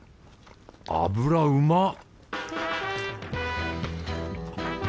脂うまっ！